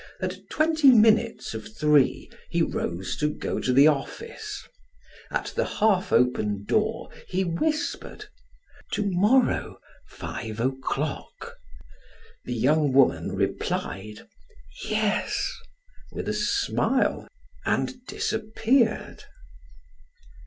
At twenty minutes of three he rose to go to the office; at the half open door he whispered: "To morrow, five o'clock." The young woman replied: "Yes," with a smile and disappeared.